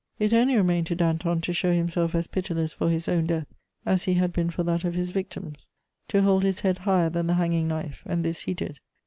It only remained to Danton to show himself as pitiless for his own death as he had been for that of his victims, to hold his head higher than the hanging knife: and this he did.